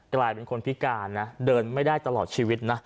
กลายเป็นคนพิการนะเดินไม่ได้ตลอดชีวิตนะ